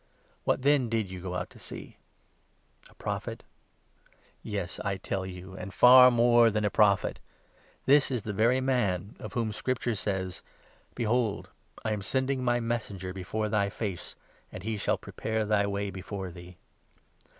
What then did you go to see ? A Prophet ? Yes, I 26 tell you, and far more than a Prophet. This is the very man 27 of whom Scripture says —' Behold, I am sending my Messenger before thy face, And he shall prepare thy way before thee.'